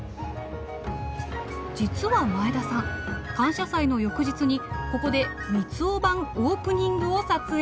実は前田さん感謝祭の翌日にここで三生版オープニングを撮影。